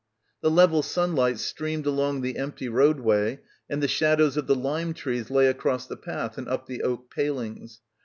The level sunlight streamed along the empty roadway and the shadows of the lime trees lay across the path and up the oak palings.